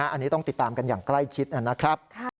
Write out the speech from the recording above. อันนี้ต้องติดตามกันอย่างใกล้ชิดนะครับ